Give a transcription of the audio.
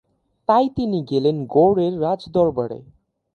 তাই তিনি গেলেন গৌড়ের রাজ দরবারে।